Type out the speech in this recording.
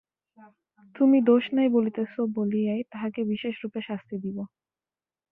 তুমি দোষ নাই বলিতেছ বলিয়াই তাহাকে বিশেষরূপে শাস্তি দিব!